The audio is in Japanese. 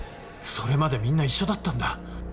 それまでみんな一緒だったんだ。